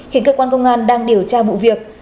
hiện cơ quan công an đang điều tra vụ việc